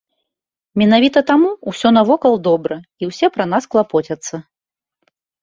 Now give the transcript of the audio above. Менавіта таму усё навокал добра і ўсе пра нас клапоцяцца.